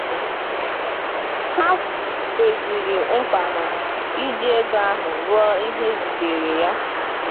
Ha kwezịrị nkwà na iji ego ahụ rụọ ihe e zùbèèrè ya